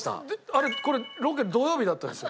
あれこれロケ土曜日だったんです。